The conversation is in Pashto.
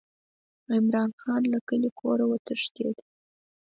عمرا خان له کلي کوره وتښتېد.